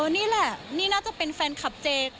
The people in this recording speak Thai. นี่แหละนี่น่าจะเป็นแฟนคลับเจ